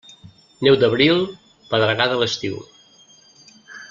Neu d'abril, pedregada a l'estiu.